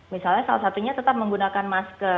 misalnya salah satunya tetap menggunakan masker